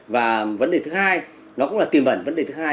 và vấn đề thứ hai nó cũng là tìm hẳn vấn đề thứ hai